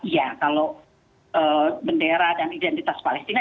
ya kalau bendera dan identitas palestina